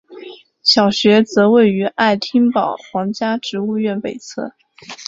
小学则位于爱丁堡皇家植物园北侧。